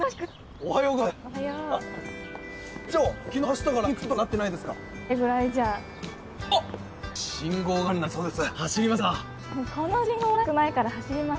おはようございます。